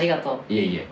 いえいえ。